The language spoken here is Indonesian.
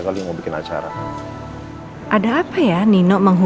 kok kasar dirumah